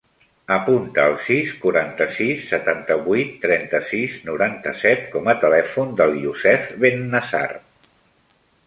Apunta el sis, quaranta-sis, setanta-vuit, trenta-sis, noranta-set com a telèfon del Youssef Bennasar.